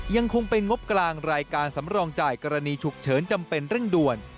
ยังคงเป็นงบกลางรายการสำรองจ่ายกรณีฉุกเฉินจำเป็นเร่งด่วน